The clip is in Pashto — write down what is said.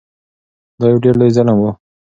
دا یو ډیر لوی ظلم و.